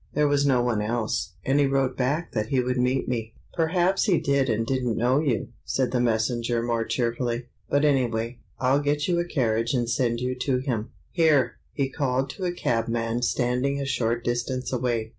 There was no one else, and he wrote back that he would meet me." "Perhaps he did and didn't know you," said the messenger more cheerfully; "but anyway. I'll get you a carriage and send you to him. "Here!" he called to a cabman standing a short distance away.